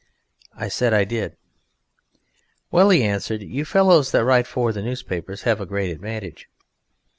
I said I did. "Well," he answered, "you fellows that write for the newspapers have a great advantage